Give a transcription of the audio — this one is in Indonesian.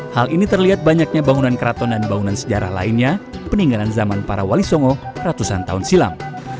hal ini terlihat banyaknya bangunan keraton dan bangunan sejarah lainnya peninggalan zaman para wali songo ratusan tahun silam